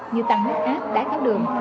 như tăng mức ác đá cáo đường